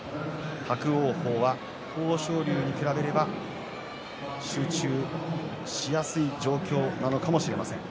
伯桜鵬は豊昇龍に比べれば集中しやすい状況なのかもしれません。